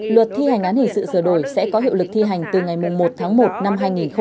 luật thi hành án hình sự sửa đổi sẽ có hiệu lực thi hành từ ngày một tháng một năm hai nghìn hai mươi